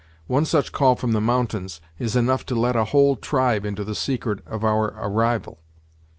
One such call from the mountains, is enough to let a whole tribe into the secret of our arrival."